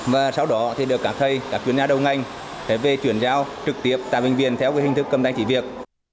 và sau đó thì được các thầy các chuyên gia đầu ngành về chuyển giao trực tiếp tại bệnh viện theo hình thức cầm tay chỉ việc